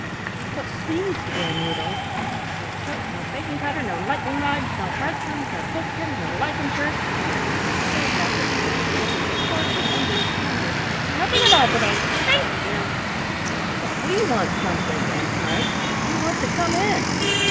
"But please " began Rudolf. "No soap, no baking powder, no lightning rods, no hearth brooms, no cake tins, no life insurance " rattled the Goose so rapidly that the children could hardly understand her "nothing at all to day, thank you!" "But we want something," Ann cried, "we want to come in!"